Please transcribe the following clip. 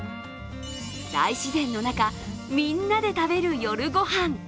大自然の中、みんなで食べる夜ご飯。